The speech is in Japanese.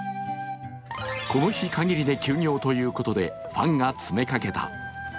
この日限りで休業ということでファンが詰めかけた。